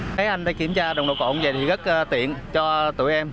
thấy anh đi kiểm tra nồng độ cồn vậy thì rất tiện cho tụi em